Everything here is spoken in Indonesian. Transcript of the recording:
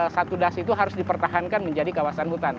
satu das itu harus dipertahankan menjadi kawasan hutan